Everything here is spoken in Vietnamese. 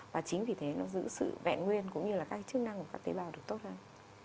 và chính vì thế nó giữ sự vẹn nguyên cũng như là các chức năng của các tế bào được tốt hơn